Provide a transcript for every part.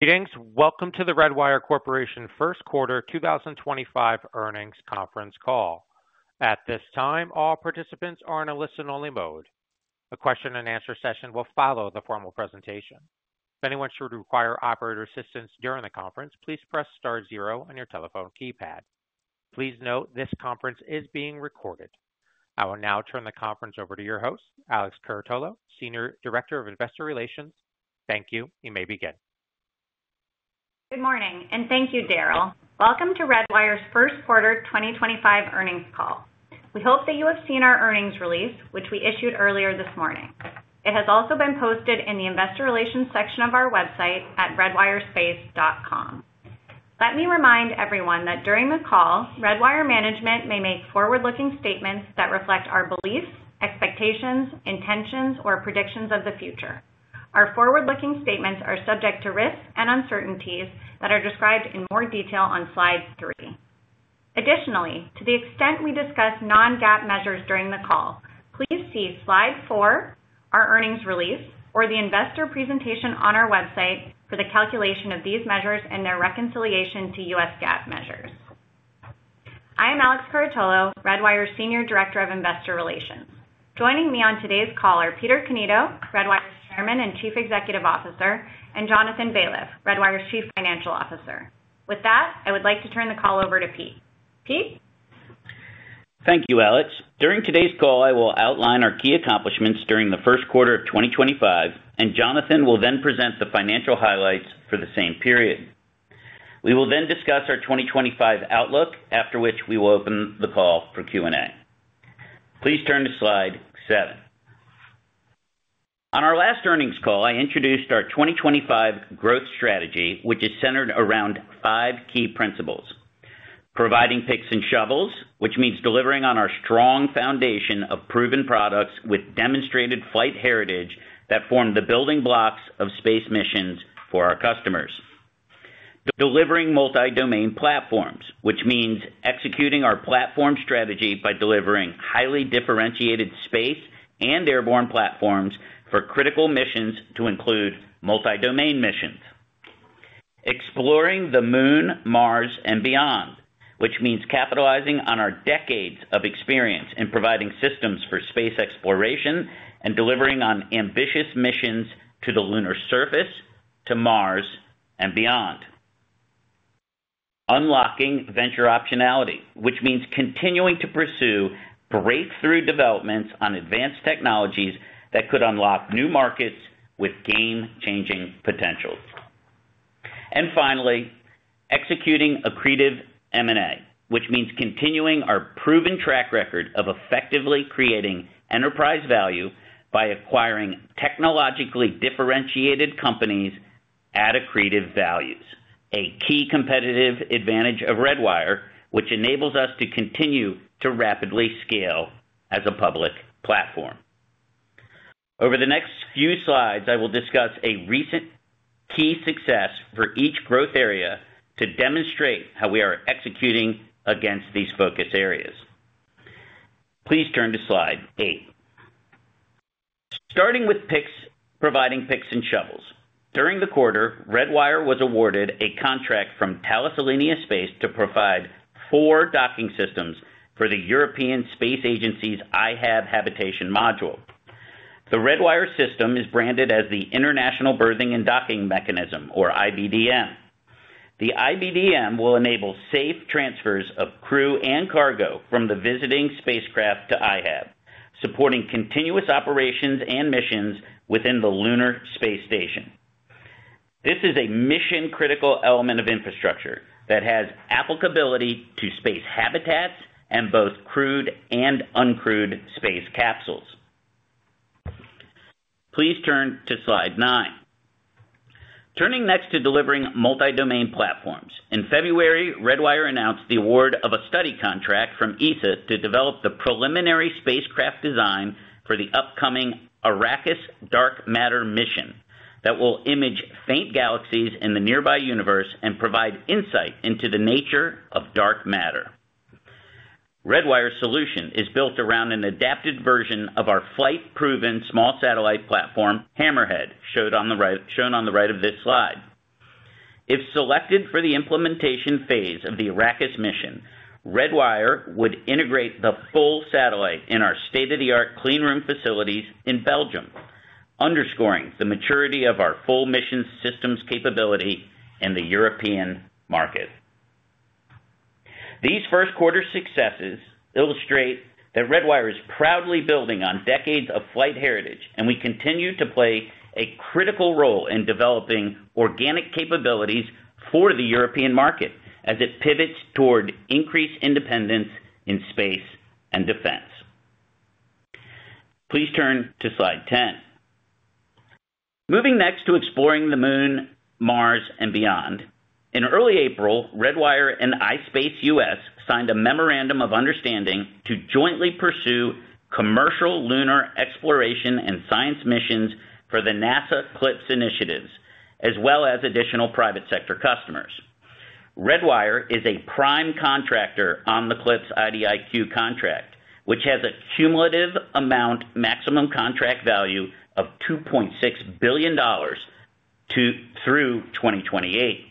Greetings. Welcome to the Redwire Corporation First Quarter 2025 Earnings Conference call. At this time, all participants are in a listen-only mode. A question-and-answer session will follow the formal presentation. If anyone should require operator assistance during the conference, please press star zero on your telephone keypad. Please note this conference is being recorded. I will now turn the conference over to your host, Alex Curatolo, Senior Director of Investor Relations. Thank you. You may begin. Good morning, and thank you, Daryl. Welcome to Redwire's First Quarter 2025 Earnings Call. We hope that you have seen our earnings release, which we issued earlier this morning. It has also been posted in the Investor Relations section of our website at redwirespace.com. Let me remind everyone that during the call, Redwire Management may make forward-looking statements that reflect our beliefs, expectations, intentions, or predictions of the future. Our forward-looking statements are subject to risks and uncertainties that are described in more detail on slide three. Additionally, to the extent we discuss non-GAAP measures during the call, please see slide four, our earnings release, or the investor presentation on our website for the calculation of these measures and their reconciliation to U.S. GAAP measures. I am Alex Curatolo, Redwire's Senior Director of Investor Relations. Joining me on today's call are Peter Cannito, Redwire's Chairman and Chief Executive Officer, and Jonathan Baliff, Redwire's Chief Financial Officer. With that, I would like to turn the call over to Pete. Pete. Thank you, Alex. During today's call, I will outline our key accomplishments during the first quarter of 2025, and Jonathan will then present the financial highlights for the same period. We will then discuss our 2025 outlook, after which we will open the call for Q&A. Please turn to slide seven. On our last earnings call, I introduced our 2025 growth strategy, which is centered around five key principles: providing picks and shovels, which means delivering on our strong foundation of proven products with demonstrated flight heritage that form the building blocks of space missions for our customers; delivering multi-domain platforms, which means executing our platform strategy by delivering highly differentiated space and airborne platforms for critical missions to include multi-domain missions; exploring the Moon, Mars, and beyond, which means capitalizing on our decades of experience in providing systems for space exploration and delivering on ambitious missions to the lunar surface, to Mars, and beyond; unlocking venture optionality, which means continuing to pursue breakthrough developments on advanced technologies that could unlock new markets with game-changing potential; and finally, executing accretive M&A, which means continuing our proven track record of effectively creating enterprise value by acquiring technologically differentiated companies at accretive values, a key competitive advantage of Redwire, which enables us to continue to rapidly scale as a public platform. Over the next few slides, I will discuss a recent key success for each growth area to demonstrate how we are executing against these focus areas. Please turn to slide eight. Starting with picks, providing picks and shovels. During the quarter, Redwire was awarded a contract from Thales Alenia Space to provide four docking systems for the European Space Agency's IHAB habitation module. The Redwire system is branded as the International Berthing and Docking Mechanism, or IBDM. The IBDM will enable safe transfers of crew and cargo from the visiting spacecraft to IHAB, supporting continuous operations and missions within the lunar space station. This is a mission-critical element of infrastructure that has applicability to space habitats and both crewed and uncrewed space capsules. Please turn to slide nine. Turning next to delivering multi-domain platforms. In February, Redwire announced the award of a study contract from ESA to develop the preliminary spacecraft design for the upcoming Arrakis Dark Matter mission that will image faint galaxies in the nearby universe and provide insight into the nature of dark matter. Redwire's solution is built around an adapted version of our flight-proven small satellite platform, Hammerhead, shown on the right of this slide. If selected for the implementation phase of the Arrakis mission, Redwire would integrate the full satellite in our state-of-the-art clean room facilities in Belgium, underscoring the maturity of our full mission systems capability in the European market. These first quarter successes illustrate that Redwire is proudly building on decades of flight heritage, and we continue to play a critical role in developing organic capabilities for the European market as it pivots toward increased independence in space and defense. Please turn to slide ten. Moving next to exploring the Moon, Mars, and beyond, in early April, Redwire and iSpace-U.S. signed a memorandum of understanding to jointly pursue commercial lunar exploration and science missions for the NASA CLIPS initiatives, as well as additional private sector customers. Redwire is a prime contractor on the CLIPS IDIQ contract, which has a cumulative maximum contract value of $2.6 billion through 2028.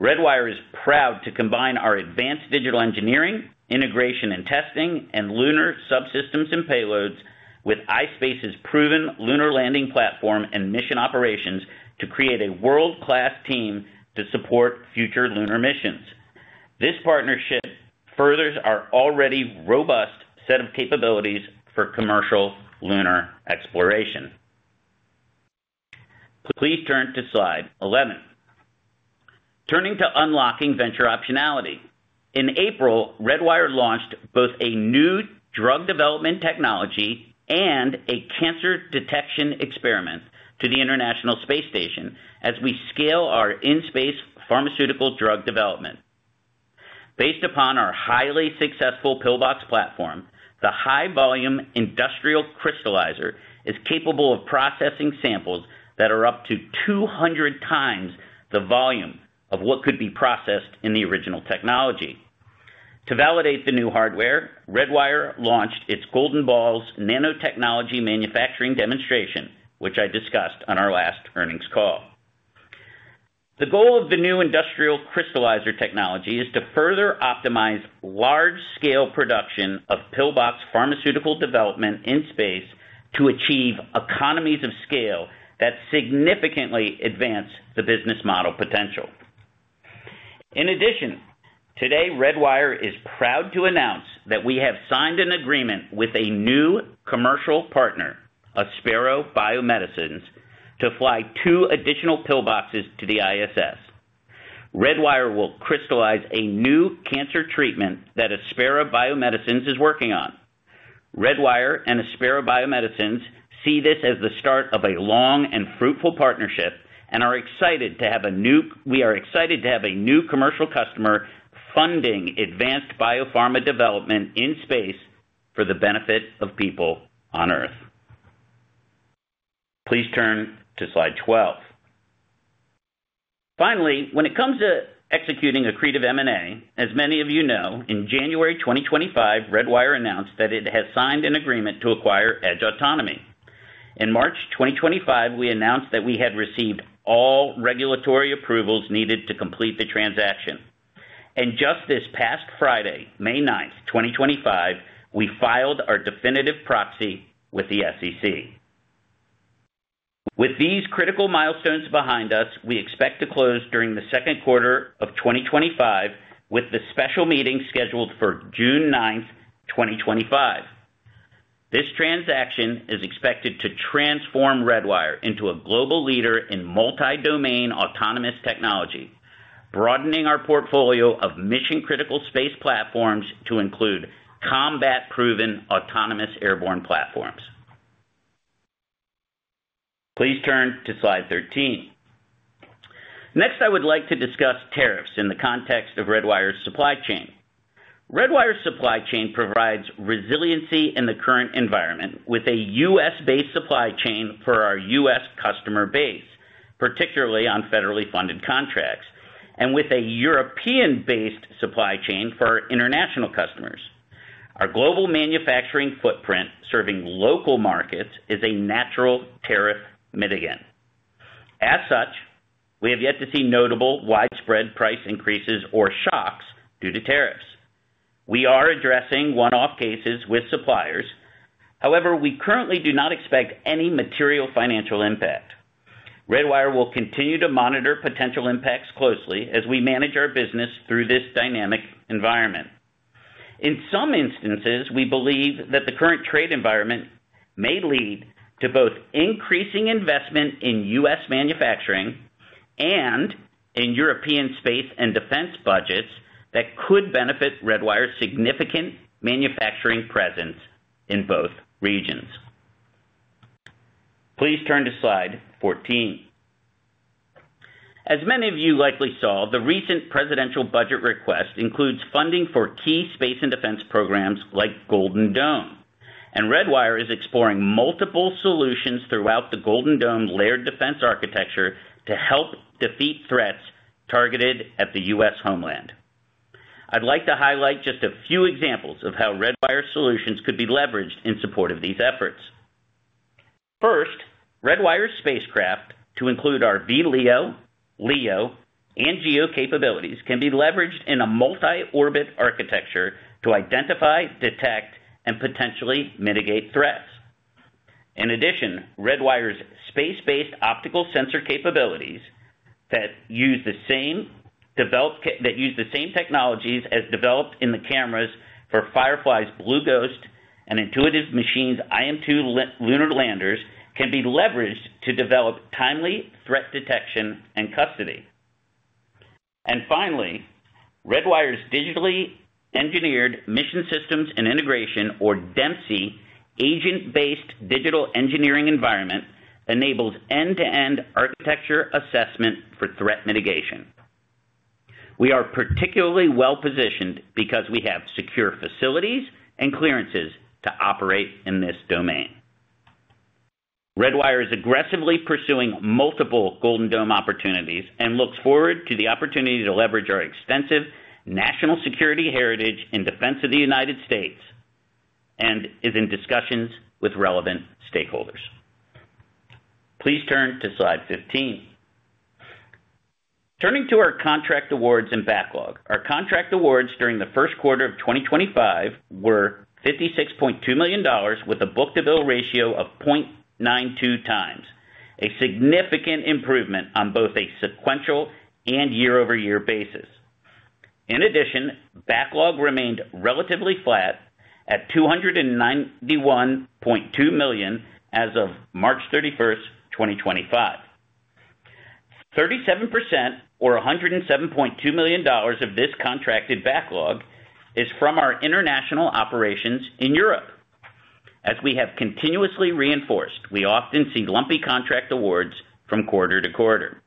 Redwire is proud to combine our advanced digital engineering, integration and testing, and lunar subsystems and payloads with iSpace's proven lunar landing platform and mission operations to create a world-class team to support future lunar missions. This partnership furthers our already robust set of capabilities for commercial lunar exploration. Please turn to slide eleven. Turning to unlocking venture optionality. In April, Redwire launched both a new drug development technology and a cancer detection experiment to the International Space Station as we scale our in-space pharmaceutical drug development. Based upon our highly successful Pillbox platform, the high-volume industrial crystallizer is capable of processing samples that are up to 200 times the volume of what could be processed in the original technology. To validate the new hardware, Redwire launched its Golden Balls Nanotechnology Manufacturing Demonstration, which I discussed on our last earnings call. The goal of the new industrial crystallizer technology is to further optimize large-scale production of Pillbox pharmaceutical development in space to achieve economies of scale that significantly advance the business model potential. In addition, today, Redwire is proud to announce that we have signed an agreement with a new commercial partner, Aspera Biomedicines, to fly two additional Pillboxes to the ISS. Redwire will crystallize a new cancer treatment that Aspera Biomedicines is working on. Redwire and Aspera Biomedicines see this as the start of a long and fruitful partnership and are excited to have a new—we are excited to have a new commercial customer funding advanced biopharma development in space for the benefit of people on Earth. Please turn to slide twelve. Finally, when it comes to executing accretive M&A, as many of you know, in January 2025, Redwire announced that it has signed an agreement to acquire Edge Autonomy. In March 2025, we announced that we had received all regulatory approvals needed to complete the transaction. Just this past Friday, May 9th, 2025, we filed our definitive proxy with the SEC. With these critical milestones behind us, we expect to close during the second quarter of 2025 with the special meeting scheduled for June 9th, 2025. This transaction is expected to transform Redwire into a global leader in multi-domain autonomous technology, broadening our portfolio of mission-critical space platforms to include combat-proven autonomous airborne platforms. Please turn to slide thirteen. Next, I would like to discuss tariffs in the context of Redwire's supply chain. Redwire's supply chain provides resiliency in the current environment with a U.S.-based supply chain for our U.S. customer base, particularly on federally funded contracts, and with a European-based supply chain for our international customers. Our global manufacturing footprint serving local markets is a natural tariff mitigant. As such, we have yet to see notable widespread price increases or shocks due to tariffs. We are addressing one-off cases with suppliers. However, we currently do not expect any material financial impact. Redwire will continue to monitor potential impacts closely as we manage our business through this dynamic environment. In some instances, we believe that the current trade environment may lead to both increasing investment in U.S. manufacturing and in European space and defense budgets that could benefit Redwire's significant manufacturing presence in both regions. Please turn to slide fourteen. As many of you likely saw, the recent presidential budget request includes funding for key space and defense programs like Golden Dome, and Redwire is exploring multiple solutions throughout the Golden Dome layered defense architecture to help defeat threats targeted at the U.S. homeland. I'd like to highlight just a few examples of how Redwire's solutions could be leveraged in support of these efforts. First, Redwire's spacecraft, to include our VLEO, LEO, and GEO capabilities, can be leveraged in a multi-orbit architecture to identify, detect, and potentially mitigate threats. In addition, Redwire's space-based optical sensor capabilities that use the same technologies as developed in the cameras for Firefly's Blue Ghost and Intuitive Machines' IM-2 lunar landers can be leveraged to develop timely threat detection and custody. Finally, Redwire's digitally engineered mission systems and integration, or DEMSI, agent-based digital engineering environment enables end-to-end architecture assessment for threat mitigation. We are particularly well-positioned because we have secure facilities and clearances to operate in this domain. Redwire is aggressively pursuing multiple Golden Dome opportunities and looks forward to the opportunity to leverage our extensive national security heritage in defense of the United States and is in discussions with relevant stakeholders. Please turn to slide fifteen. Turning to our contract awards and backlog. Our contract awards during the first quarter of 2025 were $56.2 million with a book-to-bill ratio of 0.92, a significant improvement on both a sequential and year-over-year basis. In addition, backlog remained relatively flat at $291.2 million as of March 31, 2025. 37%, or $107.2 million of this contracted backlog, is from our international operations in Europe. As we have continuously reinforced, we often see lumpy contract awards from quarter to quarter.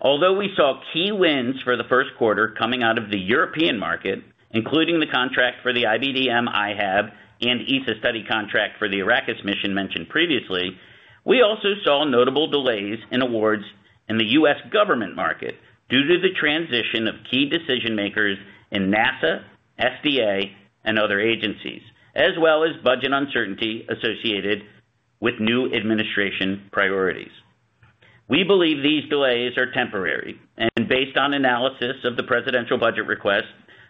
Although we saw key wins for the first quarter coming out of the European market, including the contract for the IBDM IHAB and ESA study contract for the Arrakis mission mentioned previously, we also saw notable delays in awards in the U.S. government market due to the transition of key decision-makers in NASA, FDA, and other agencies, as well as budget uncertainty associated with new administration priorities. We believe these delays are temporary, and based on analysis of the presidential budget request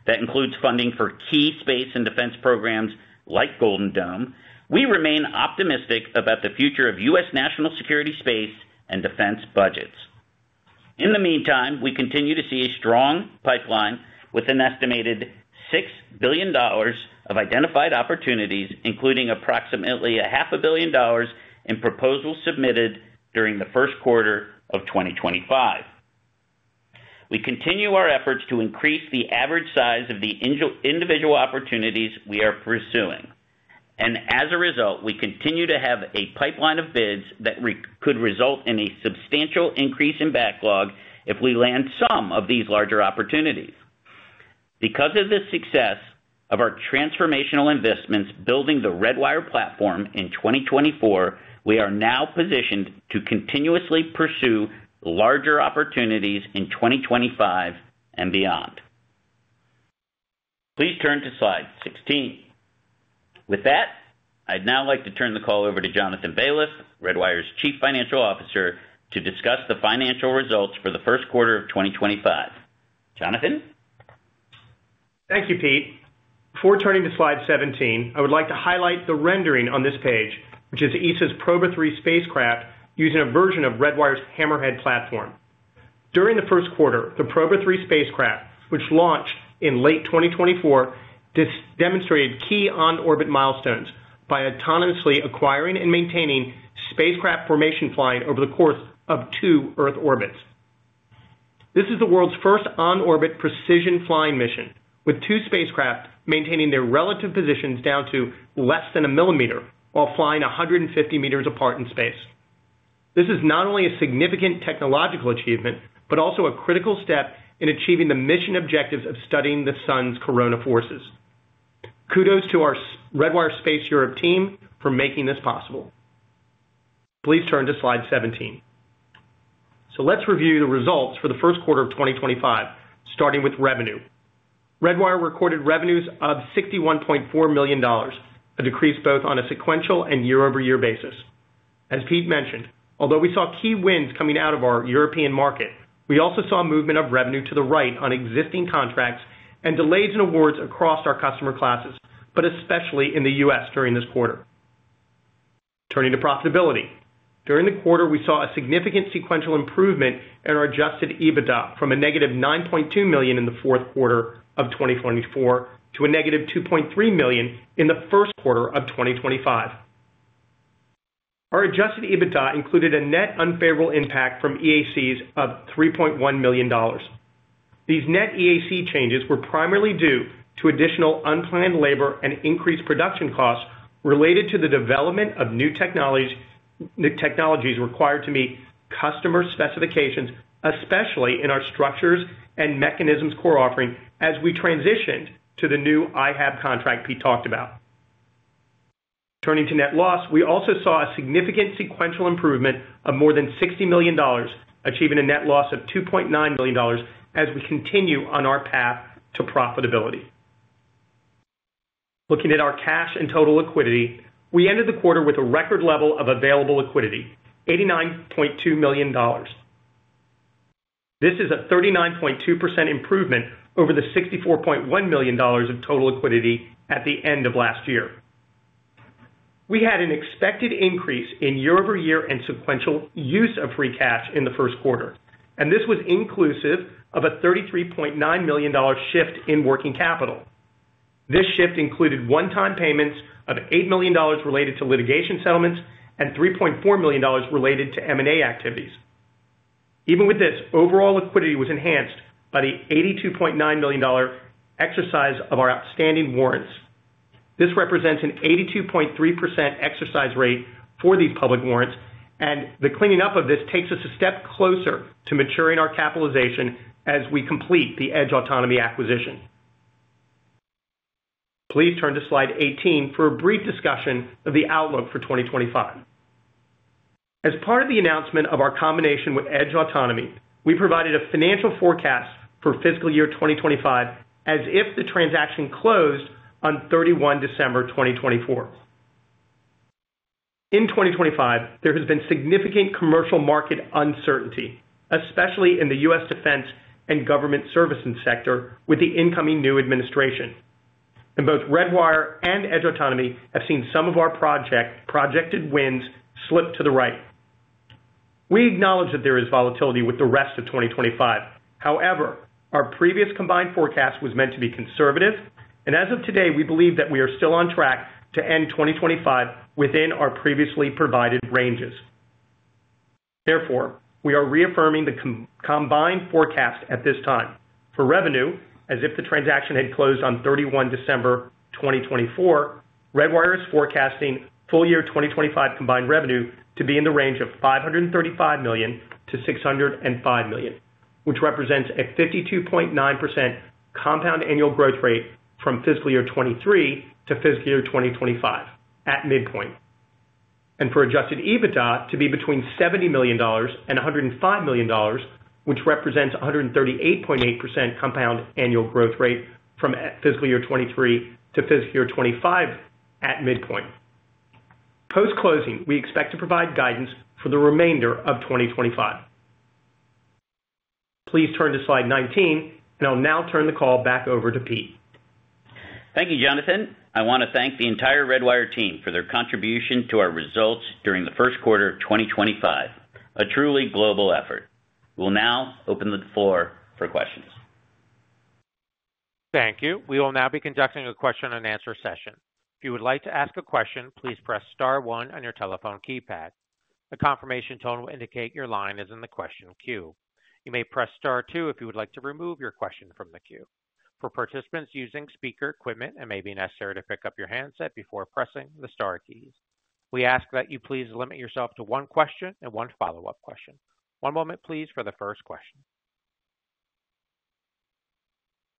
that includes funding for key space and defense programs like Golden Dome, we remain optimistic about the future of U.S. national security space and defense budgets. In the meantime, we continue to see a strong pipeline with an estimated $6 billion of identified opportunities, including approximately $500,000,000 in proposals submitted during the first quarter of 2025. We continue our efforts to increase the average size of the individual opportunities we are pursuing, and as a result, we continue to have a pipeline of bids that could result in a substantial increase in backlog if we land some of these larger opportunities. Because of the success of our transformational investments building the Redwire platform in 2024, we are now positioned to continuously pursue larger opportunities in 2025 and beyond. Please turn to slide sixteen. With that, I'd now like to turn the call over to Jonathan Baliff, Redwire's Chief Financial Officer, to discuss the financial results for the first quarter of 2025. Jonathan? Thank you, Pete. Before turning to slide seventeen, I would like to highlight the rendering on this page, which is ESA's Proba III spacecraft using a version of Redwire's Hammerhead platform. During the first quarter, the Proba III spacecraft, which launched in late 2024, demonstrated key on-orbit milestones by autonomously acquiring and maintaining spacecraft formation flying over the course of two Earth orbits. This is the world's first on-orbit precision flying mission, with two spacecraft maintaining their relative positions down to less than a millimeter while flying 150 meters apart in space. This is not only a significant technological achievement but also a critical step in achieving the mission objectives of studying the Sun's corona forces. Kudos to our Redwire Space Europe team for making this possible. Please turn to slide seventeen. Let's review the results for the first quarter of 2025, starting with revenue. Redwire recorded revenues of $61.4 million, a decrease both on a sequential and year-over-year basis. As Pete mentioned, although we saw key wins coming out of our European market, we also saw movement of revenue to the right on existing contracts and delays in awards across our customer classes, but especially in the U.S. during this quarter. Turning to profitability. During the quarter, we saw a significant sequential improvement in our adjusted EBITDA from a negative $9.2 million in the fourth quarter of 2024 to a negative $2.3 million in the first quarter of 2025. Our adjusted EBITDA included a net unfavorable impact from EACs of $3.1 million. These net EAC changes were primarily due to additional unplanned labor and increased production costs related to the development of new technologies required to meet customer specifications, especially in our structures and mechanisms core offering as we transitioned to the new IHAB contract Pete talked about. Turning to net loss, we also saw a significant sequential improvement of more than $60 million, achieving a net loss of $2.9 million as we continue on our path to profitability. Looking at our cash and total liquidity, we ended the quarter with a record level of available liquidity, $89.2 million. This is a 39.2% improvement over the $64.1 million of total liquidity at the end of last year. We had an expected increase in year-over-year and sequential use of free cash in the first quarter, and this was inclusive of a $33.9 million shift in working capital. This shift included one-time payments of $8 million related to litigation settlements and $3.4 million related to M&A activities. Even with this, overall liquidity was enhanced by the $82.9 million exercise of our outstanding warrants. This represents an 82.3% exercise rate for these public warrants, and the cleaning up of this takes us a step closer to maturing our capitalization as we complete the Edge Autonomy acquisition. Please turn to slide eighteen for a brief discussion of the outlook for 2025. As part of the announcement of our combination with Edge Autonomy, we provided a financial forecast for fiscal year 2025 as if the transaction closed on 31 December 2024. In 2025, there has been significant commercial market uncertainty, especially in the U.S. defense and government services sector with the incoming new administration. Both Redwire and Edge Autonomy have seen some of our projected wins slip to the right. We acknowledge that there is volatility with the rest of 2025. However, our previous combined forecast was meant to be conservative, and as of today, we believe that we are still on track to end 2025 within our previously provided ranges. Therefore, we are reaffirming the combined forecast at this time. For revenue, as if the transaction had closed on 31 December 2024, Redwire is forecasting full year 2025 combined revenue to be in the range of $535 million to $605 million, which represents a 52.9% compound annual growth rate from fiscal year 2023 to fiscal year 2025 at midpoint. For adjusted EBITDA to be between $70 million to $105 million, which represents a 138.8% compound annual growth rate from fiscal year 2023 to fiscal year 2025 at midpoint. Post-closing, we expect to provide guidance for the remainder of 2025. Please turn to slide nineteen, and I'll now turn the call back over to Pete. Thank you, Jonathan. I want to thank the entire Redwire team for their contribution to our results during the first quarter of 2025, a truly global effort. We'll now open the floor for questions. Thank you. We will now be conducting a question-and-answer session. If you would like to ask a question, please press star one on your telephone keypad. A confirmation tone will indicate your line is in the question queue. You may press star two if you would like to remove your question from the queue. For participants using speaker equipment, it may be necessary to pick up your handset before pressing the star keys. We ask that you please limit yourself to one question and one follow-up question. One moment, please, for the first question.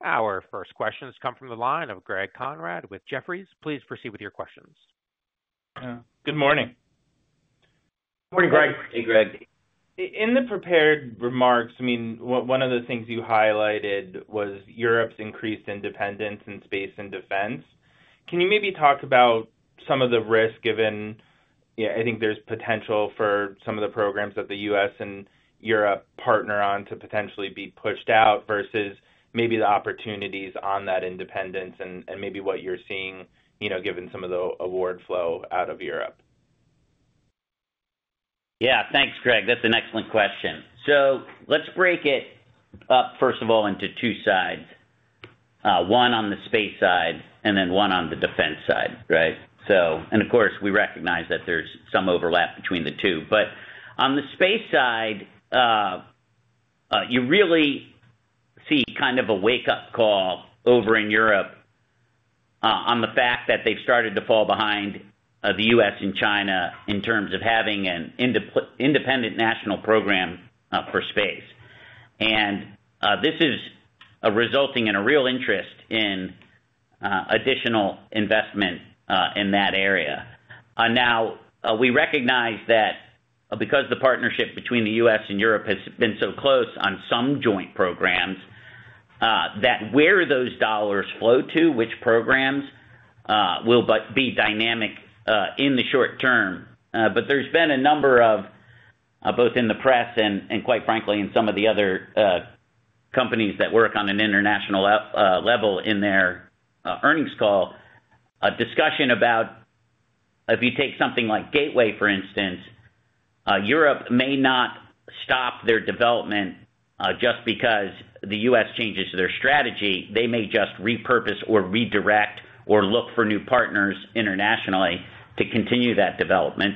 Our first questions come from the line of Greg Conrad with Jefferies. Please proceed with your questions. Good morning. Good morning, Greg. Hey, Greg. In the prepared remarks, I mean, one of the things you highlighted was Europe's increased independence in space and defense. Can you maybe talk about some of the risk given, yeah, I think there's potential for some of the programs that the U.S. and Europe partner on to potentially be pushed out versus maybe the opportunities on that independence and maybe what you're seeing given some of the award flow out of Europe? Yeah, thanks, Greg. That's an excellent question. Let's break it up, first of all, into two sides. One on the space side and then one on the defense side, right? Of course, we recognize that there's some overlap between the two. On the space side, you really see kind of a wake-up call over in Europe on the fact that they've started to fall behind the U.S. and China in terms of having an independent national program for space. This is resulting in a real interest in additional investment in that area. Now, we recognize that because the partnership between the U.S. and Europe has been so close on some joint programs, where those dollars flow to, which programs, will be dynamic in the short term. There has been a number of, both in the press and, quite frankly, in some of the other companies that work on an international level in their earnings call, a discussion about if you take something like Gateway, for instance, Europe may not stop their development just because the U.S. changes their strategy. They may just repurpose or redirect or look for new partners internationally to continue that development.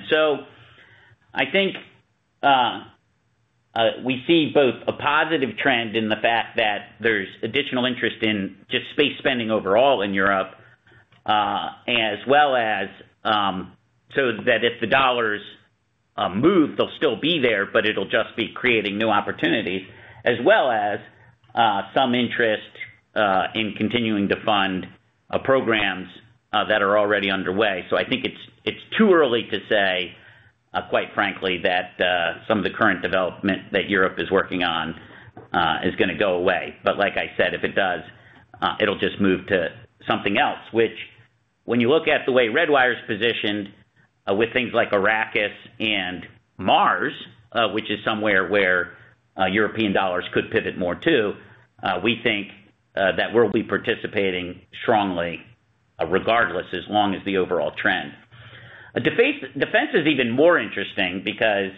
I think we see both a positive trend in the fact that there's additional interest in just space spending overall in Europe, as well as so that if the dollars move, they'll still be there, but it'll just be creating new opportunities, as well as some interest in continuing to fund programs that are already underway. I think it's too early to say, quite frankly, that some of the current development that Europe is working on is going to go away. Like I said, if it does, it'll just move to something else, which when you look at the way Redwire is positioned with things like Arrakis and Mars, which is somewhere where European dollars could pivot more to, we think that we'll be participating strongly regardless, as long as the overall trend. Defense is even more interesting because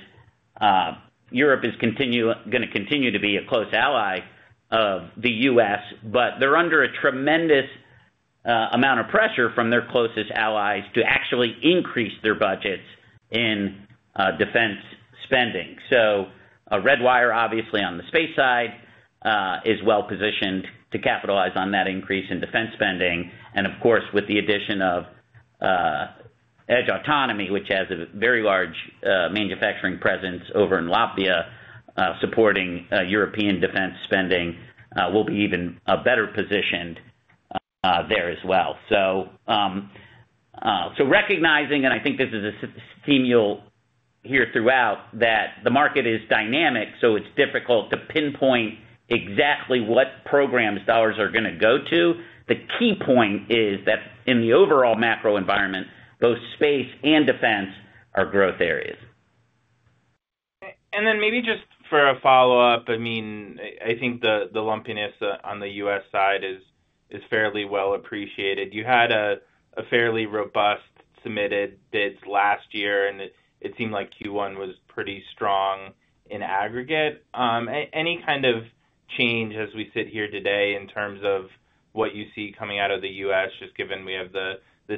Europe is going to continue to be a close ally of the U.S., but they're under a tremendous amount of pressure from their closest allies to actually increase their budgets in defense spending. Redwire, obviously, on the space side, is well positioned to capitalize on that increase in defense spending. Of course, with the addition of Edge Autonomy, which has a very large manufacturing presence over in Latvia, supporting European defense spending, we'll be even better positioned there as well. Recognizing, and I think this is a theme you'll hear throughout, that the market is dynamic, so it's difficult to pinpoint exactly what programs dollars are going to go to. The key point is that in the overall macro environment, both space and defense are growth areas. Maybe just for a follow-up, I mean, I think the lumpiness on the U.S. side is fairly well appreciated. You had a fairly robust submitted bids last year, and it seemed like Q1 was pretty strong in aggregate. Any kind of change as we sit here today in terms of what you see coming out of the U.S., just given we have the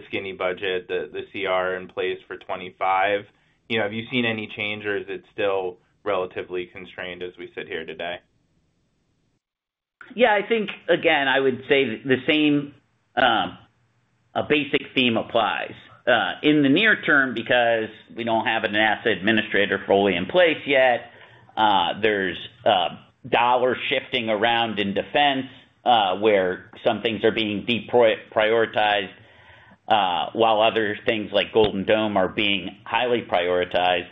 skinny budget, the CR in place for 2025? Have you seen any change, or is it still relatively constrained as we sit here today? Yeah, I think, again, I would say the same basic theme applies. In the near term, because we don't have an asset administrator fully in place yet, there's dollar shifting around in defense where some things are being deprioritized while other things like Golden Dome are being highly prioritized.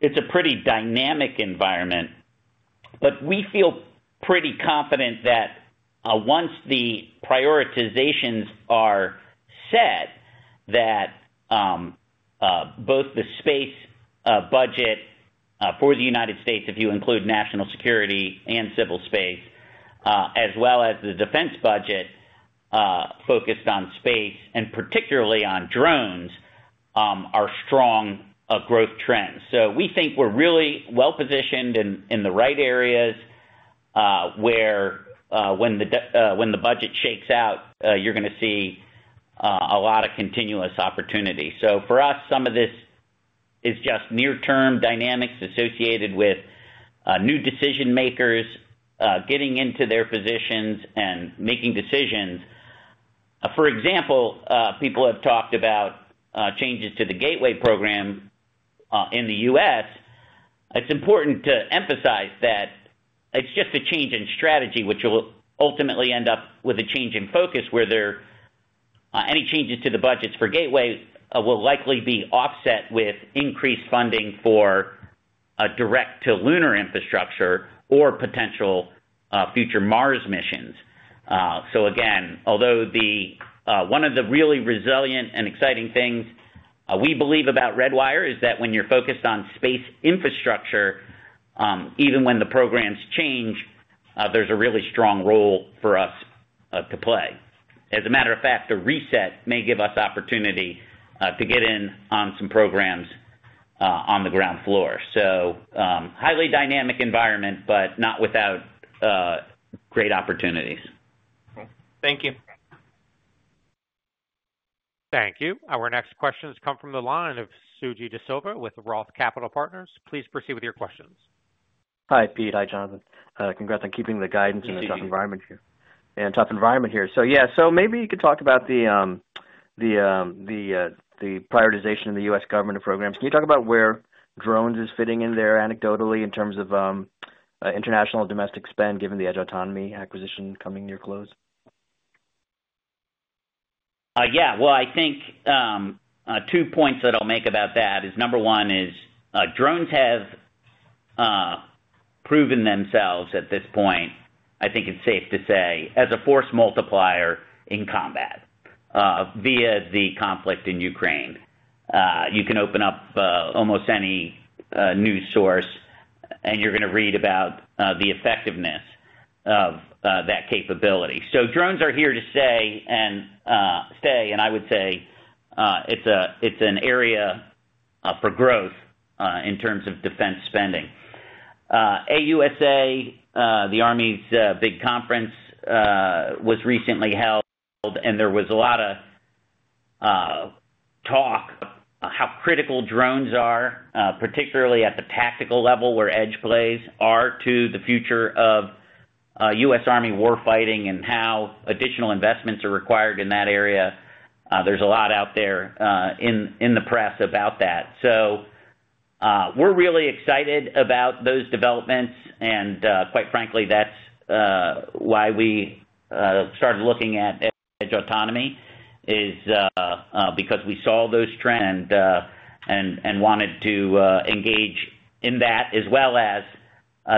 It's a pretty dynamic environment, but we feel pretty confident that once the prioritizations are set, that both the space budget for the United States, if you include national security and civil space, as well as the defense budget focused on space and particularly on drones, are strong growth trends. We think we're really well positioned in the right areas where when the budget shakes out, you're going to see a lot of continuous opportunity. For us, some of this is just near-term dynamics associated with new decision-makers getting into their positions and making decisions. For example, people have talked about changes to the Gateway program in the U.S. It's important to emphasize that it's just a change in strategy, which will ultimately end up with a change in focus where any changes to the budgets for Gateway will likely be offset with increased funding for direct-to-lunar infrastructure or potential future Mars missions. Again, although one of the really resilient and exciting things we believe about Redwire is that when you're focused on space infrastructure, even when the programs change, there's a really strong role for us to play. As a matter of fact, a reset may give us opportunity to get in on some programs on the ground floor. Highly dynamic environment, but not without great opportunities. Thank you. Thank you. Our next questions come from the line of Suji De Silva with Roth Capital Partners. Please proceed with your questions. Hi, Pete. Hi, Jonathan. Congrats on keeping the guidance in the tough environment here. Yeah, tough environment here. So yeah, maybe you could talk about the prioritization of the U.S. government of programs. Can you talk about where drones is fitting in there anecdotally in terms of international domestic spend given the Edge Autonomy acquisition coming near close? Yeah. I think two points that I'll make about that is number one is drones have proven themselves at this point, I think it's safe to say, as a force multiplier in combat via the conflict in Ukraine. You can open up almost any news source, and you're going to read about the effectiveness of that capability. Drones are here to stay, and I would say it's an area for growth in terms of defense spending. AUSA, the Army's big conference, was recently held, and there was a lot of talk about how critical drones are, particularly at the tactical level where Edge plays are to the future of U.S. Army warfighting and how additional investments are required in that area. There's a lot out there in the press about that. We're really excited about those developments, and quite frankly, that's why we started looking at Edge Autonomy is because we saw those trends and wanted to engage in that, as well as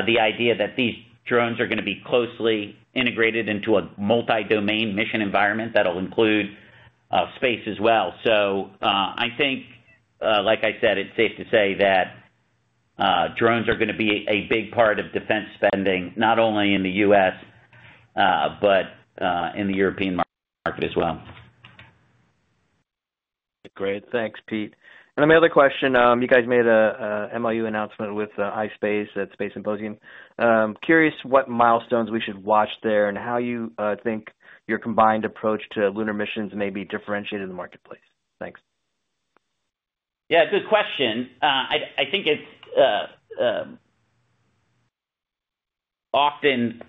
the idea that these drones are going to be closely integrated into a multi-domain mission environment that'll include space as well. I think, like I said, it's safe to say that drones are going to be a big part of defense spending, not only in the U.S., but in the European market as well. Great. Thanks, Pete. And then my other question, you guys made an MOU announcement with iSpace at Space Symposium. Curious what milestones we should watch there and how you think your combined approach to lunar missions may be differentiated in the marketplace. Thanks. Yeah, good question. I think it's often,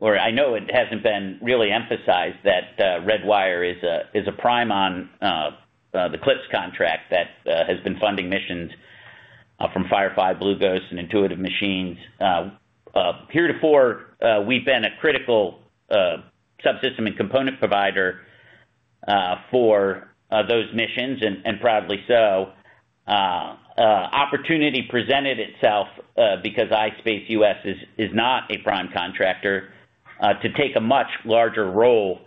or I know it hasn't been really emphasized, that Redwire is a prime on the CLIPS contract that has been funding missions from Firefly, Blue Ghost, and Intuitive Machines. Heretofore, we've been a critical subsystem and component provider for those missions, and proudly so. Opportunity presented itself because iSpace-U.S. is not a prime contractor to take a much larger role.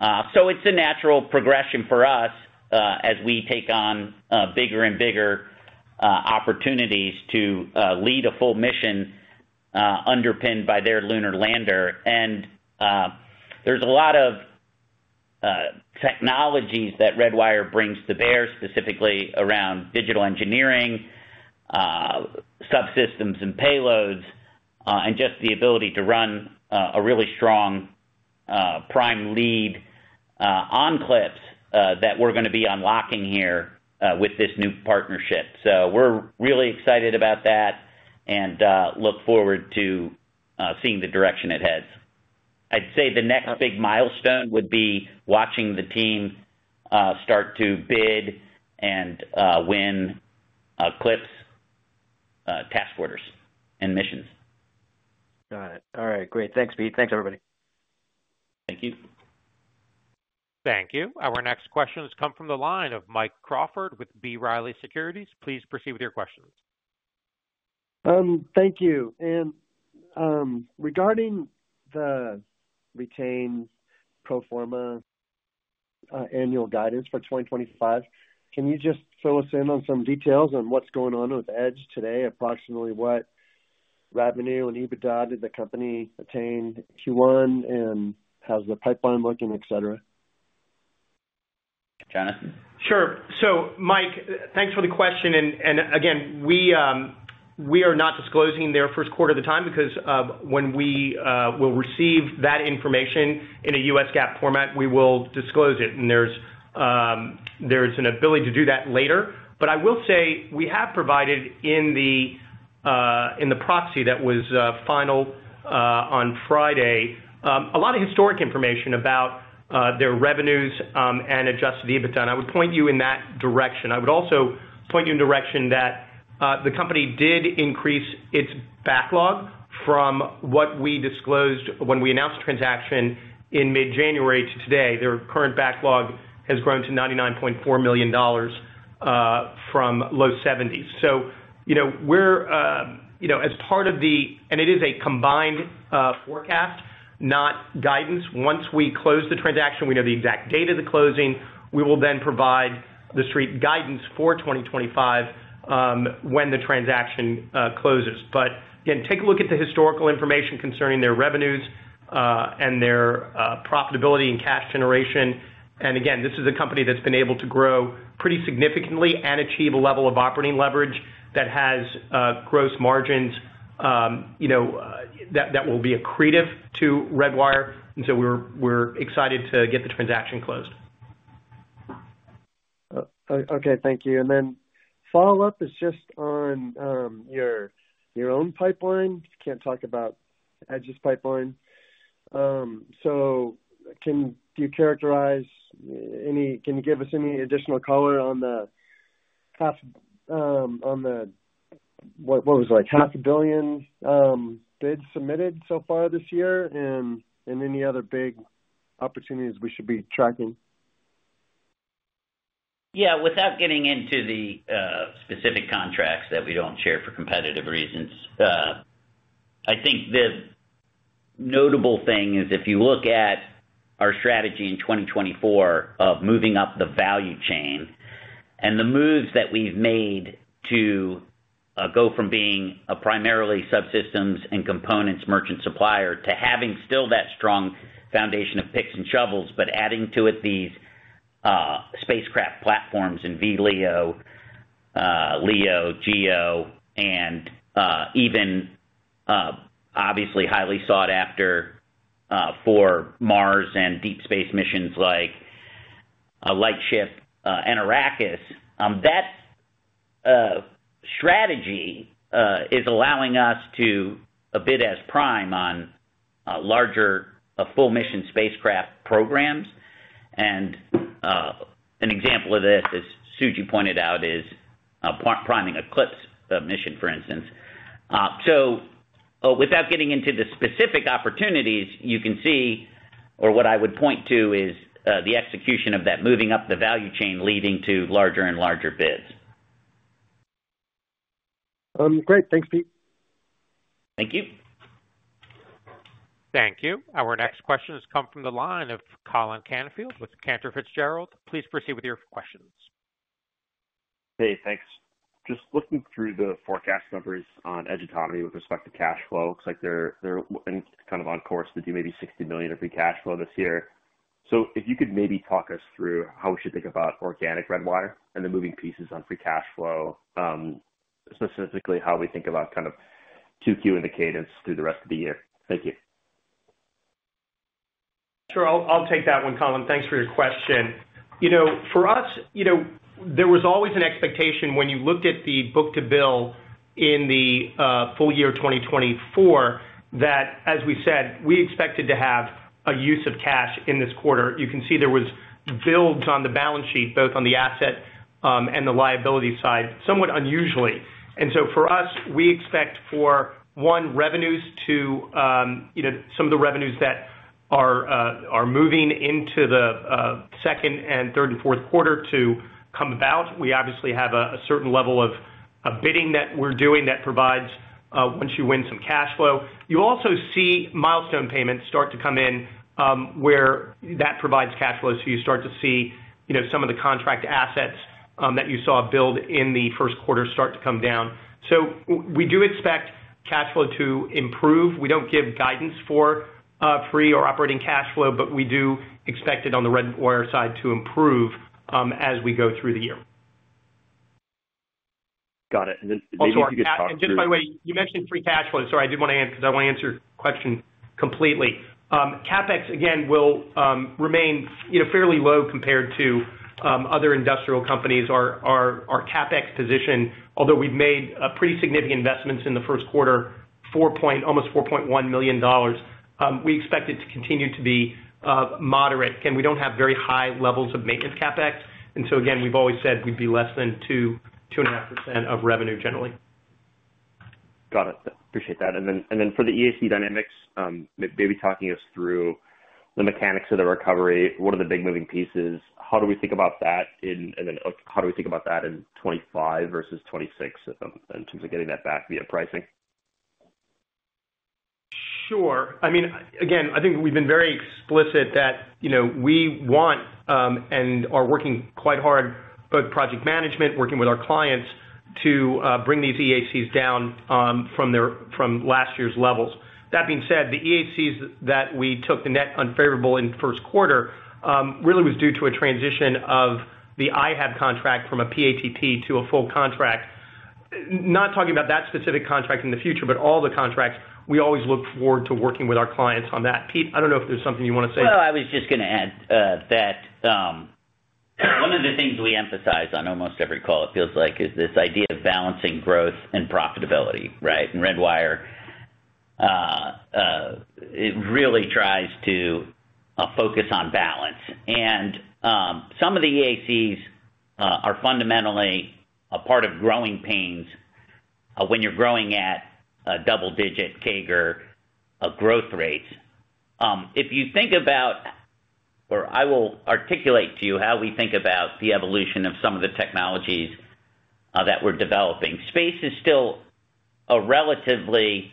It is a natural progression for us as we take on bigger and bigger opportunities to lead a full mission underpinned by their lunar lander. There is a lot of technologies that Redwire brings to bear, specifically around digital engineering, subsystems and payloads, and just the ability to run a really strong prime lead on CLIPS that we are going to be unlocking here with this new partnership. We are really excited about that and look forward to seeing the direction it heads. I would say the next big milestone would be watching the team start to bid and win CLIPS task orders and missions. Got it. All right. Great. Thanks, Pete. Thanks, everybody. Thank you. Thank you. Our next questions come from the line of Mike Crawford with B. Riley Securities. Please proceed with your questions. Thank you. And regarding the retained pro forma annual guidance for 2025, can you just fill us in on some details on what is going on with Edge today? Approximately what revenue and EBITDA did the company attain Q1, and how's the pipeline looking, etc.? Jonathan? Sure. So Mike, thanks for the question. Again, we are not disclosing their first quarter at the time because when we will receive that information in a U.S. GAAP format, we will disclose it. There is an ability to do that later. I will say we have provided in the proxy that was final on Friday a lot of historic information about their revenues and adjusted EBITDA. I would point you in that direction. I would also point you in the direction that the company did increase its backlog from what we disclosed when we announced the transaction in mid-January to today. Their current backlog has grown to $99.4 million from low 70s. We are as part of the and it is a combined forecast, not guidance. Once we close the transaction, we know the exact date of the closing. We will then provide the street guidance for 2025 when the transaction closes. Again, take a look at the historical information concerning their revenues and their profitability and cash generation. Again, this is a company that's been able to grow pretty significantly and achieve a level of operating leverage that has gross margins that will be accretive to Redwire. We are excited to get the transaction closed. Okay. Thank you. The follow-up is just on your own pipeline. Can't talk about Edge's pipeline. Can you characterize, can you give us any additional color on the, what was it, like $500 million bids submitted so far this year and any other big opportunities we should be tracking? Yeah. Without getting into the specific contracts that we don't share for competitive reasons, I think the notable thing is if you look at our strategy in 2024 of moving up the value chain and the moves that we've made to go from being a primarily subsystems and components merchant supplier to having still that strong foundation of picks and shovels, but adding to it these spacecraft platforms and VLEO, LEO, GEO, and even obviously highly sought after for Mars and deep space missions like Lightship and Arrakis. That strategy is allowing us to bid as prime on larger full-mission spacecraft programs. An example of this, as Suji pointed out, is priming a CLIPS mission, for instance. Without getting into the specific opportunities, you can see, or what I would point to is the execution of that moving up the value chain leading to larger and larger bids. Great. Thanks, Pete. Thank you. Thank you. Our next questions come from the line of Colin Canfield with Cantor Fitzgerald. Please proceed with your questions. Hey, thanks. Just looking through the forecast numbers on Edge Autonomy with respect to cash flow, it looks like they're kind of on course to do maybe $60 million of free cash flow this year. If you could maybe talk us through how we should think about organic Redwire and the moving pieces on free cash flow, specifically how we think about kind of 2Q indicators through the rest of the year. Thank you. Sure. I'll take that one, Colin. Thanks for your question. For us, there was always an expectation when you looked at the book-to-bill in the full year 2024 that, as we said, we expected to have a use of cash in this quarter. You can see there were builds on the balance sheet, both on the asset and the liability side, somewhat unusually. For us, we expect for, one, revenues to, some of the revenues that are moving into the second and third and fourth quarter to come about. We obviously have a certain level of bidding that we're doing that provides, once you win, some cash flow. You also see milestone payments start to come in where that provides cash flow. You start to see some of the contract assets that you saw build in the first quarter start to come down. We do expect cash flow to improve. We do not give guidance for free or operating cash flow, but we do expect it on the Redwire side to improve as we go through the year. Got it. Maybe you could talk to us. Just by the way, you mentioned free cash flow. Sorry, I didn't want to answer because I want to answer your question completely. CapEx, again, will remain fairly low compared to other industrial companies. Our CapEx position, although we've made pretty significant investments in the first quarter, almost $4.1 million, we expect it to continue to be moderate. Again, we don't have very high levels of maintenance CapEx. We've always said we'd be less than 2.5% of revenue generally. Got it. Appreciate that. For the EAC dynamics, maybe talking us through the mechanics of the recovery, what are the big moving pieces? How do we think about that? How do we think about that in 2025 versus 2026 in terms of getting that back via pricing? Sure. I mean, again, I think we've been very explicit that we want and are working quite hard, both project management, working with our clients, to bring these EACs down from last year's levels. That being said, the EACs that we took the net unfavorable in first quarter really was due to a transition of the IHAB contract from a PATP to a full contract. Not talking about that specific contract in the future, but all the contracts, we always look forward to working with our clients on that. Pete, I don't know if there's something you want to say. I was just going to add that one of the things we emphasize on almost every call, it feels like, is this idea of balancing growth and profitability, right? And Redwire really tries to focus on balance. Some of the EACs are fundamentally a part of growing pains when you're growing at double-digit CAGR growth rates. If you think about, or I will articulate to you how we think about the evolution of some of the technologies that we're developing. Space is still relatively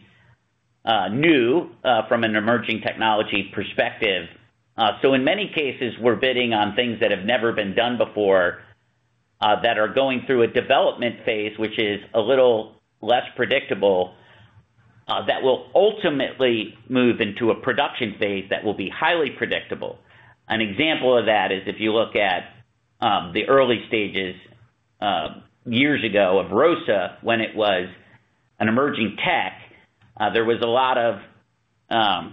new from an emerging technology perspective. In many cases, we're bidding on things that have never been done before that are going through a development phase, which is a little less predictable, that will ultimately move into a production phase that will be highly predictable. An example of that is if you look at the early stages years ago of ROSA when it was an emerging tech, there was a lot of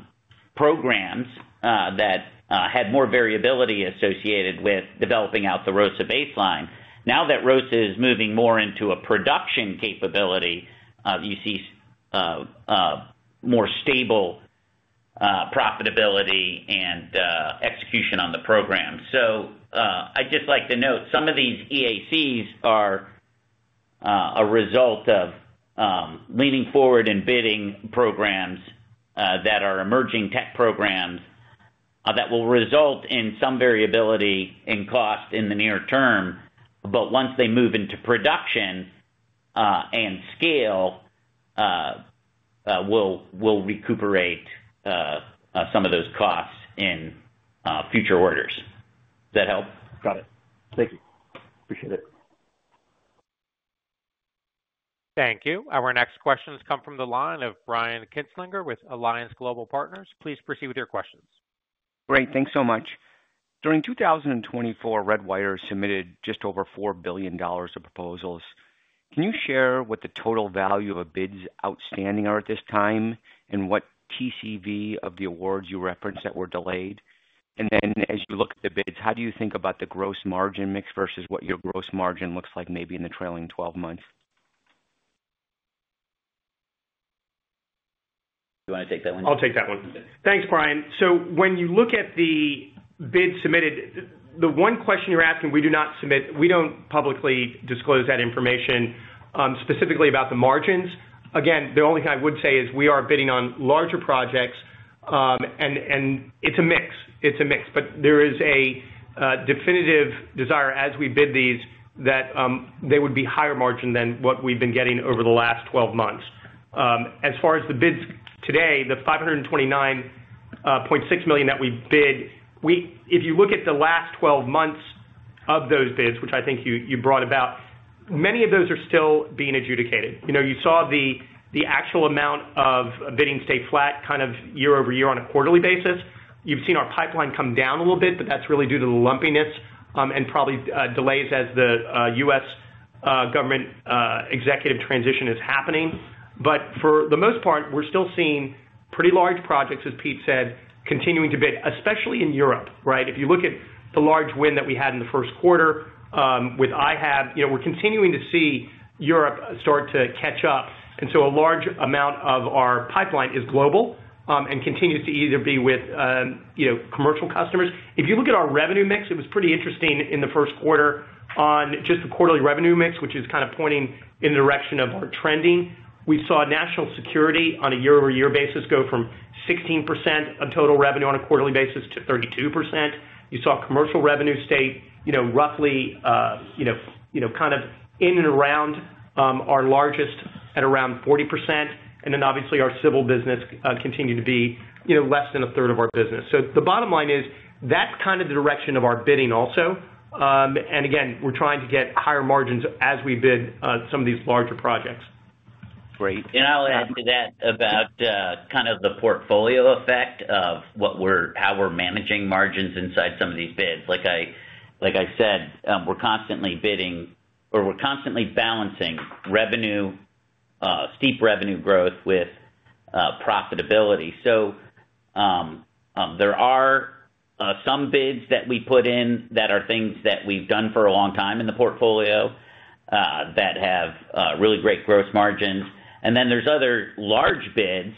programs that had more variability associated with developing out the ROSA baseline. Now that ROSA is moving more into a production capability, you see more stable profitability and execution on the program. I'd just like to note some of these EACs are a result of leaning forward and bidding programs that are emerging tech programs that will result in some variability in cost in the near term. Once they move into production and scale, we'll recuperate some of those costs in future orders. Does that help? Got it. Thank you. Appreciate it. Thank you. Our next questions come from the line of Brian Kitzlinger with Alliance Global Partners. Please proceed with your questions. Great. Thanks so much. During 2024, Redwire submitted just over $4 billion of proposals. Can you share what the total value of bids outstanding are at this time and what TCV of the awards you referenced that were delayed? As you look at the bids, how do you think about the gross margin mix versus what your gross margin looks like maybe in the trailing 12 months? Do you want to take that one? I'll take that one. Thanks, Brian. When you look at the bids submitted, the one question you're asking, we do not submit, we don't publicly disclose that information specifically about the margins. Again, the only thing I would say is we are bidding on larger projects, and it's a mix. It's a mix. There is a definitive desire as we bid these that they would be higher margin than what we've been getting over the last 12 months. As far as the bids today, the $529.6 million that we bid, if you look at the last 12 months of those bids, which I think you brought about, many of those are still being adjudicated. You saw the actual amount of bidding stay flat kind of year over year on a quarterly basis. You have seen our pipeline come down a little bit, but that is really due to the lumpiness and probably delays as the U.S. government executive transition is happening. For the most part, we are still seeing pretty large projects, as Pete said, continuing to bid, especially in Europe, right? If you look at the large win that we had in the first quarter with IHAB, we are continuing to see Europe start to catch up. A large amount of our pipeline is global and continues to either be with commercial customers. If you look at our revenue mix, it was pretty interesting in the first quarter on just the quarterly revenue mix, which is kind of pointing in the direction of our trending. We saw national security on a year-over-year basis go from 16% of total revenue on a quarterly basis to 32%. You saw commercial revenue stay roughly kind of in and around our largest at around 40%. Obviously our civil business continued to be less than a third of our business. The bottom line is that's kind of the direction of our bidding also. Again, we're trying to get higher margins as we bid some of these larger projects. Great. I'll add to that about kind of the portfolio effect of how we're managing margins inside some of these bids. Like I said, we're constantly bidding or we're constantly balancing steep revenue growth with profitability. There are some bids that we put in that are things that we've done for a long time in the portfolio that have really great gross margins. Then there are other large bids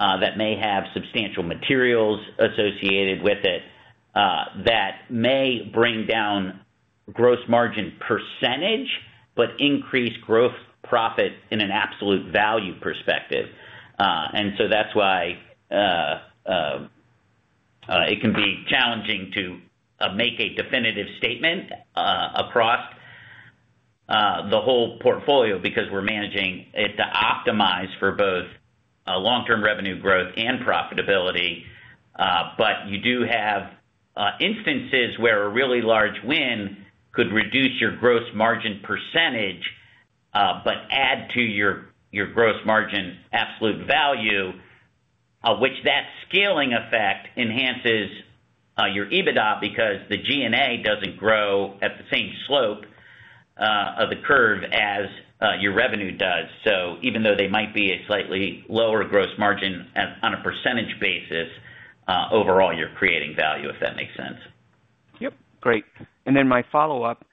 that may have substantial materials associated with it that may bring down gross margin % but increase gross profit in an absolute value perspective. That is why it can be challenging to make a definitive statement across the whole portfolio because we're managing it to optimize for both long-term revenue growth and profitability. You do have instances where a really large win could reduce your gross margin % but add to your gross margin absolute value, which that scaling effect enhances your EBITDA because the G&A doesn't grow at the same slope of the curve as your revenue does. Even though they might be a slightly lower gross margin on a percentage basis, overall you're creating value, if that makes sense. Yep. Great. My follow-up,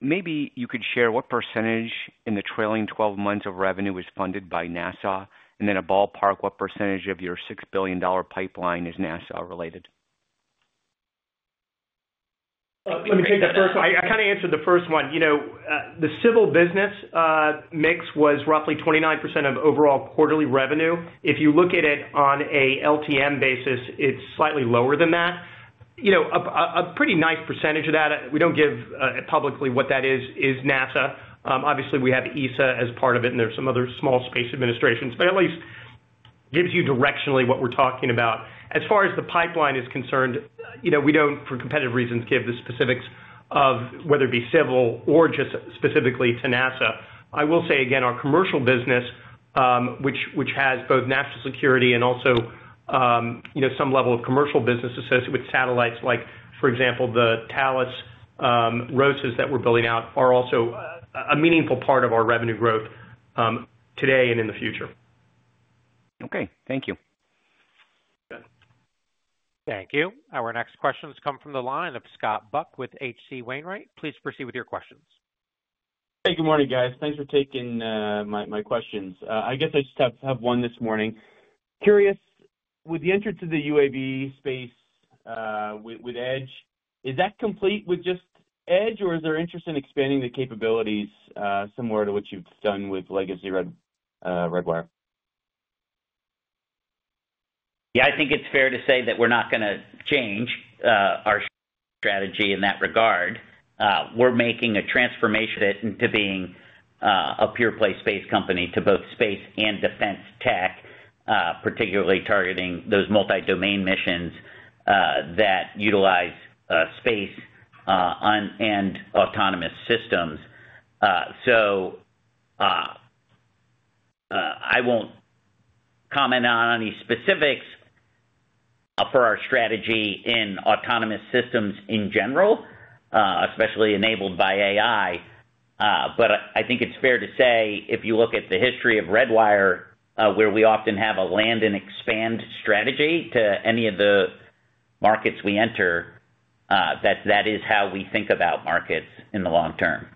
maybe you could share what % in the trailing 12 months of revenue was funded by NASA? A ballpark, what % of your $6 billion pipeline is NASA-related? Let me take that first one. I kind of answered the first one. The civil business mix was roughly 29% of overall quarterly revenue. If you look at it on an LTM basis, it's slightly lower than that. A pretty nice % of that, we don't give publicly what that is, is NASA. Obviously, we have ESA as part of it, and there are some other small space administrations, but at least gives you directionally what we're talking about. As far as the pipeline is concerned, we do not, for competitive reasons, give the specifics of whether it be civil or just specifically to NASA. I will say, again, our commercial business, which has both national security and also some level of commercial business associated with satellites, like for example, the Thales ROSAs that we are building out, are also a meaningful part of our revenue growth today and in the future. Okay. Thank you. Thank you. Our next questions come from the line of Scott Buck with H.C. Wainwright. Please proceed with your questions. Hey, good morning, guys. Thanks for taking my questions. I guess I just have one this morning. Curious, with the entrance to the UAV space with Edge, is that complete with just Edge, or is there interest in expanding the capabilities similar to what you have done with legacy Redwire? Yeah, I think it's fair to say that we're not going to change our strategy in that regard. We're making a transformation into being a pure-play space company to both space and defense tech, particularly targeting those multi-domain missions that utilize space and autonomous systems. I won't comment on any specifics for our strategy in autonomous systems in general, especially enabled by AI. I think it's fair to say, if you look at the history of Redwire, where we often have a land and expand strategy to any of the markets we enter, that that is how we think about markets in the long term.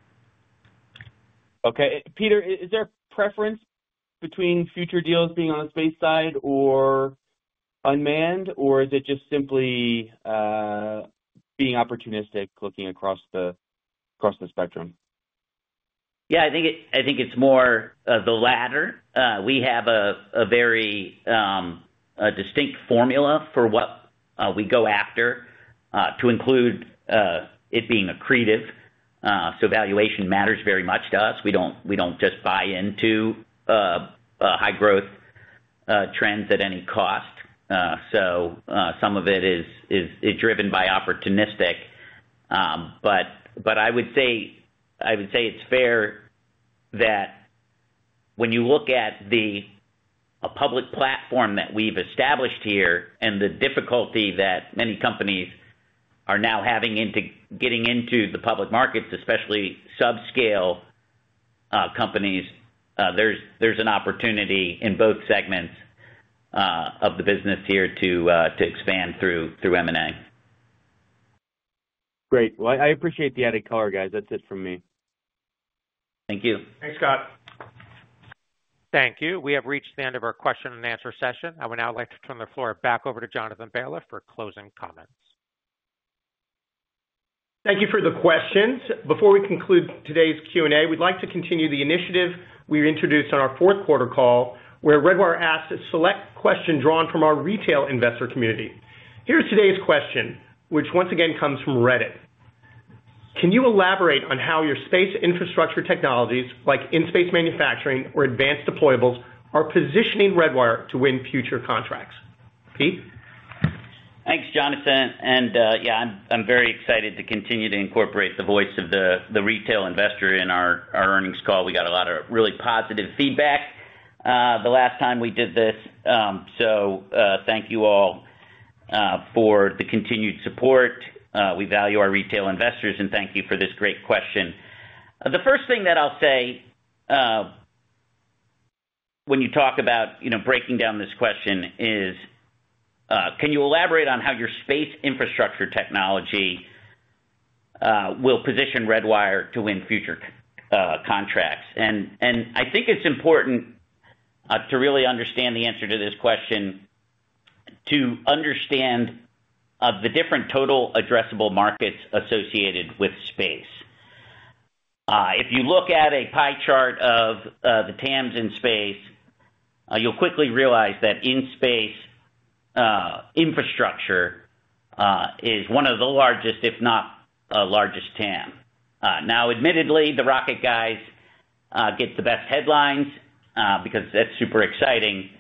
Okay. Peter, is there a preference between future deals being on the space side or unmanned, or is it just simply being opportunistic, looking across the spectrum? I think it's more of the latter. We have a very distinct formula for what we go after, to include it being accretive. Valuation matters very much to us. We do not just buy into high growth trends at any cost. Some of it is driven by opportunistic. I would say it is fair that when you look at the public platform that we have established here and the difficulty that many companies are now having getting into the public markets, especially subscale companies, there is an opportunity in both segments of the business here to expand through M&A. Great. I appreciate the added color, guys. That is it from me. Thank you. Thanks, Scott. Thank you. We have reached the end of our question and answer session. I would now like to turn the floor back over to Jonathan Baliff for closing comments. Thank you for the questions. Before we conclude today's Q&A, we'd like to continue the initiative we introduced on our fourth quarter call, where Redwire asked to select questions drawn from our retail investor community. Here's today's question, which once again comes from Reddit. Can you elaborate on how your space infrastructure technologies, like in-space manufacturing or advanced deployables, are positioning Redwire to win future contracts? Pete? Thanks, Jonathan. Yeah, I'm very excited to continue to incorporate the voice of the retail investor in our earnings call. We got a lot of really positive feedback the last time we did this. Thank you all for the continued support. We value our retail investors, and thank you for this great question. The first thing that I'll say when you talk about breaking down this question is, can you elaborate on how your space infrastructure technology will position Redwire to win future contracts? I think it's important to really understand the answer to this question to understand the different total addressable markets associated with space. If you look at a pie chart of the TAMs in space, you'll quickly realize that in-space infrastructure is one of the largest, if not the largest, TAM. Now, admittedly, the rocket guys get the best headlines because that's super exciting,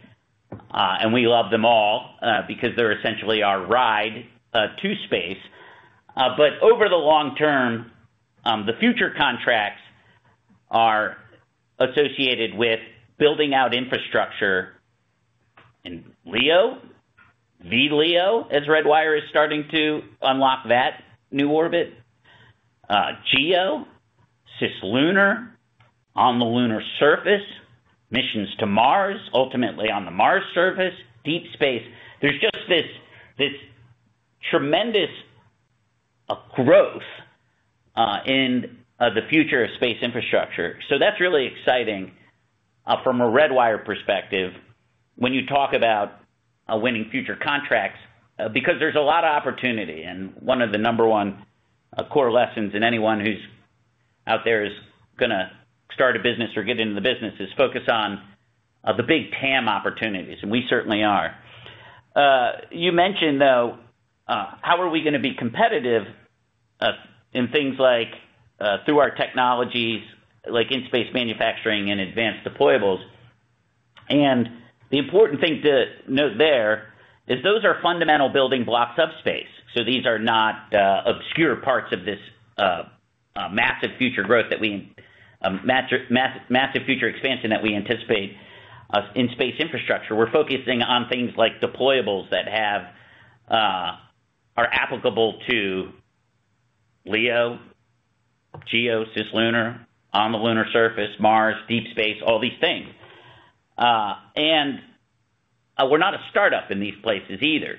and we love them all because they're essentially our ride to space. Over the long term, the future contracts are associated with building out infrastructure in LEO, VLEO, as Redwire is starting to unlock that new orbit, GEO, Cislunar, on the lunar surface, missions to Mars, ultimately on the Mars surface, deep space. There's just this tremendous growth in the future of space infrastructure. That's really exciting from a Redwire perspective when you talk about winning future contracts, because there's a lot of opportunity. One of the number one core lessons in anyone who's out there is going to start a business or get into the business is focus on the big TAM opportunities, and we certainly are. You mentioned, though, how are we going to be competitive in things like through our technologies, like in-space manufacturing and advanced deployables? The important thing to note there is those are fundamental building blocks of space. These are not obscure parts of this massive future growth that we massive future expansion that we anticipate in space infrastructure. We're focusing on things like deployables that are applicable to LEO, GEO, Cislunar, on the lunar surface, Mars, deep space, all these things. We're not a startup in these places either.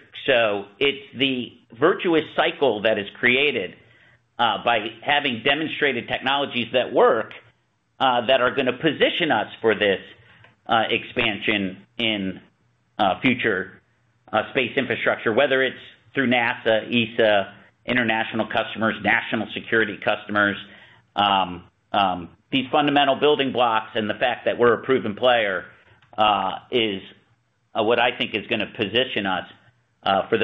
It's the virtuous cycle that is created by having demonstrated technologies that work that are going to position us for this expansion in future space infrastructure, whether it's through NASA, ESA, international customers, national security customers. These fundamental building blocks and the fact that we're a proven player is what I think is going to position us for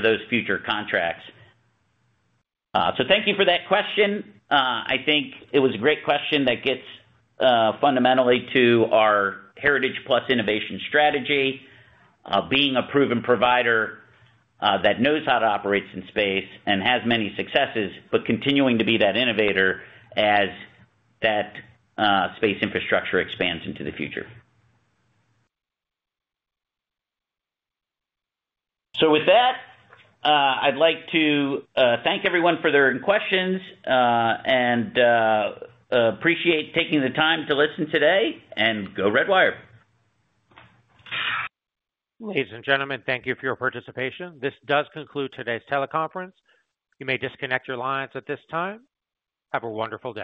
those future contracts. Thank you for that question. I think it was a great question that gets fundamentally to our heritage plus innovation strategy, being a proven provider that knows how to operate in space and has many successes, but continuing to be that innovator as that space infrastructure expands into the future. With that, I'd like to thank everyone for their questions and appreciate taking the time to listen today, and go Redwire. Ladies and gentlemen, thank you for your participation. This does conclude today's teleconference. You may disconnect your lines at this time. Have a wonderful day.